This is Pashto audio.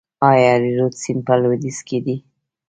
آیا هریرود سیند په لویدیځ کې دی؟